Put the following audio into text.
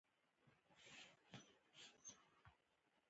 دریابونه د افغانستان د زرغونتیا نښه ده.